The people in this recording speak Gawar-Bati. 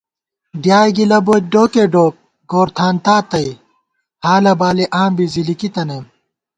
ڈیائے گِلہ بوئیت ڈوکے ڈوک ، گورتھانتا تئ ، حالہ بالی آں بی زِلِکی تنَئیم